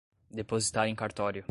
depositar em cartório